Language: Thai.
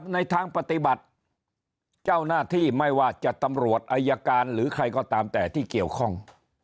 ในทางปฏิบัติเจ้าหน้าที่ไม่ว่าจะตำรวจอายการหรือใครก็ตามแต่ที่เกี่ยวข้อง